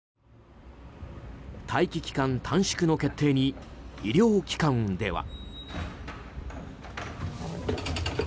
待機期間短縮の決定に医療機関では。